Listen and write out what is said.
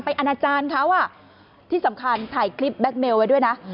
อนาจารย์เขาอ่ะที่สำคัญถ่ายคลิปแก๊กเมลไว้ด้วยนะ